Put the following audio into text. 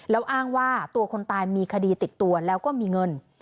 แล้วอ้างว่าตัวคนตายมีคดีติดตัวแล้วก็มีเงิน